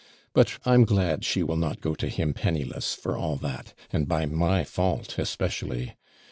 But I'm glad she will not go to him penniless, for all that; and by my fault, especially.